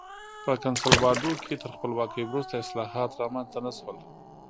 په کنسولاډو کې تر خپلواکۍ وروسته اصلاحات رامنځته نه شول.